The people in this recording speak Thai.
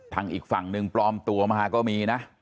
อีกฝั่งหนึ่งปลอมตัวมาก็มีนะ